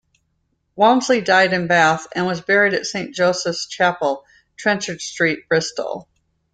Walmesley died in Bath, and was buried at Saint Joseph's Chapel, Trenchard Street, Bristol.